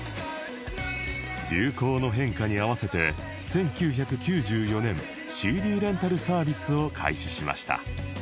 流行の変化に合わせて１９９４年 ＣＤ レンタルサービスを開始しました